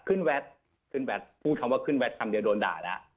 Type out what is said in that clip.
แวดขึ้นแวดพูดคำว่าขึ้นแวดคำเดียวโดนด่าแล้ว